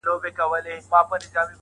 هم دا سپی بولم جدا له نورو سپیانو.